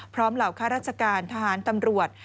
เหล่าข้าราชการทหารตำรวจ